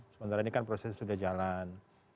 sementara ini kan proses sudah jalan